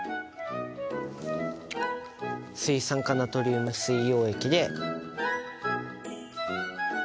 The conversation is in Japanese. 水酸化ナトリウム水溶液で。